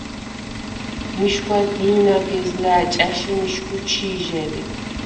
მიშგვა დი̄ნაგეზლა̈ ჭა̈ში მიშგუ ჩი̄ჟე ლი.